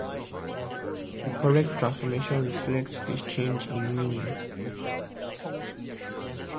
The correct transformation reflects this change in meaning.